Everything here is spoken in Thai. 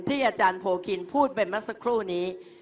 ที่อาจารย์โพคลีนพูดเป็นมาสักครู่นี้